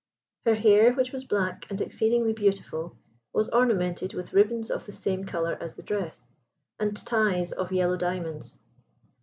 Her hair, which was black and exceedingly beautiful, was ornamented with ribbons of the same colour as the dress, and ties of yellow diamonds.